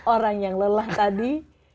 orang yang lelah tadi